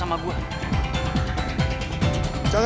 siapa tuh mereka